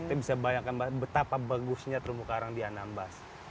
kita bisa bayangkan mbak betapa bagusnya terumbu karang di anambas